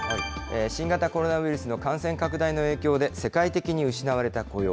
新型コロナウイルスの感染拡大の影響で、世界的に失われた雇用。